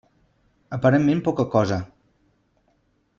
Aparentment poca cosa.